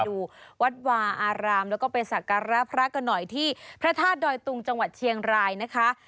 ดูวัดวาอารามแล้วก็ไปสักการะพระกันหน่อยที่พระธาตุดอยตุงจังหวัดเชียงรายนะคะ